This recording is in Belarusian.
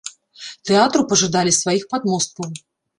Тэатру пажадалі сваіх падмосткаў.